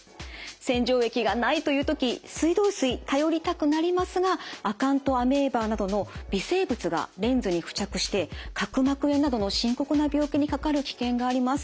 洗浄液がないという時水道水頼りたくなりますがアカントアメーバなどの微生物がレンズに付着して角膜炎などの深刻な病気にかかる危険があります。